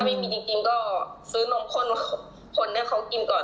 ไม่มีจริงก็ซื้อนมข้นคนให้เขากินก่อน